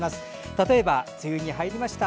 例えば、梅雨に入りました。